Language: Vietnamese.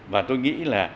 và tôi nghĩ là